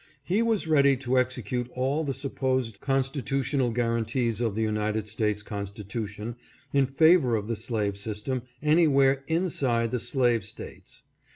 He was ready to execute all the supposed constitutional guarantees of the United States Constitution in favor of the slave system anywhere inside the slave States.